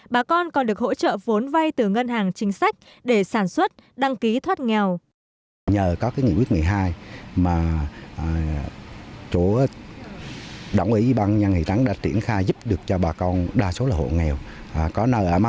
bà con còn được hỗ trợ vốn vay từ ngân hàng chính sách để sản xuất đăng ký thoát nghèo